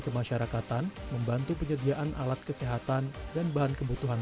kemasyarakatan membantu penyediaan alat kesehatan dan bahan kebutuhan